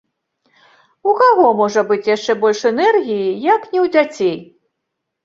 У каго можа быць яшчэ больш энергіі, як ні ў дзяцей?